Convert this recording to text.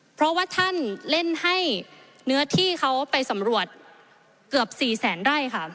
เพราะว่าท่านเล่นให้เนื้อที่เขาไปสำรวจเกือบ๔แสนไร่ค่ะ